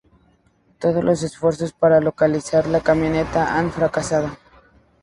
Todos los esfuerzos para localizar la camioneta han fracasado.